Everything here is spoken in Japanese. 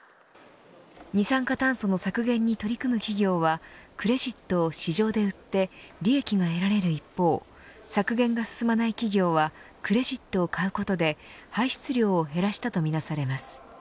二酸化炭素の削減に取り組む企業はクレジットを市場で売って利益が得られる一方削減が進まない企業はクレジットを買うことで排出量を減らしたとみなされます。